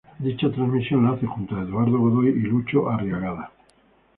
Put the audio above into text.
Dicha transmisión la hace junto a Eduardo Godoy y Lucho Arriagada.